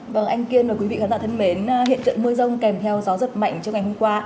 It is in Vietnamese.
vâng anh kiên và quý vị khán giả thân mến hiện tượng mưa rông kèm theo gió giật mạnh trong ngày hôm qua